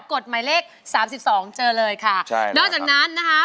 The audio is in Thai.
กฎหมายเลขสามสิบสองเจอเลยค่ะใช่นอกจากนั้นนะคะ